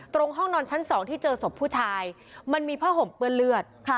ห้องนอนชั้น๒ที่เจอศพผู้ชายมันมีผ้าห่มเปื้อนเลือด